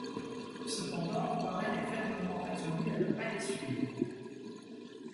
Cependant, Warren est fermement résolu à ne pas les suivre.